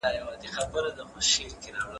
هغه تر بل چا په ګڼ ځای کي د ږغ سره ډوډۍ ژر راوړي.